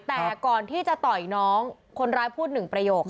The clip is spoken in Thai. แต่ก่อนที่จะต่อยน้องคนร้ายพูดหนึ่งประโยค